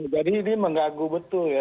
jadi ini mengganggu betul ya